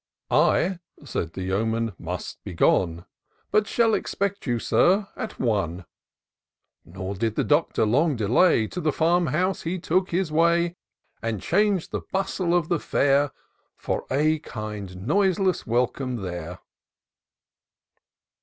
" I," said the Yeoman, " must be gone : But shall expect you. Sir, at one." Nor did the Doctor long delay : To the farm house he took his way ; And chang'd the bustle of the feir. For a kind, noiseless welcome there.